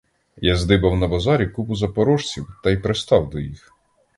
Я здибав на базарі купку запорожців та й пристав до їх.